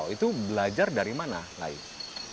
itu belajar dari mana lais